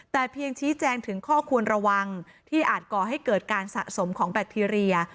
แต่เพียงชี้แจงถึงข้อควรระวังที่อาจก่อให้เกิดการสะสมของแบคทีเรีย